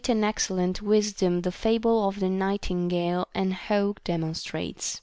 and excellent wisdom the fable of the nightingale and hawk demonstrates.